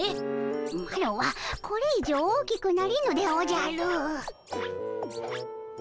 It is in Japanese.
マロはこれ以上大きくなれぬでおじゃる。